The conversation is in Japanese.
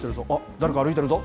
誰か歩いてるぞ。